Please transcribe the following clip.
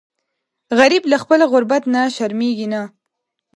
غریب له خپل غربت نه شرمیږي نه